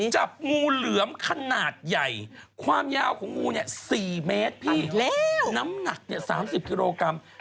จับงูเหลือมขนาดใหญ่ความยาวของงูเนี่ย๔เมตรพี่น้ำหนัก๓๐กิโลกรัม